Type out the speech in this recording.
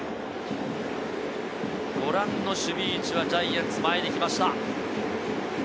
ご覧の守備位置はジャイアンツ、前に来ました。